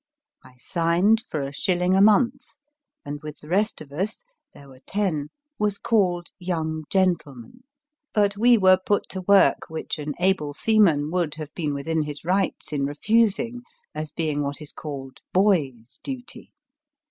I signed for a shilling a month, and with the rest of us (there were ten) was called * young gentleman ; but we were put to work which an able seaman would have been within his rights in refusing, as being what is called boys duty.